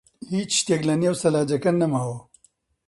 هیچ شتێک لەنێو سەلاجەکە نەماوە.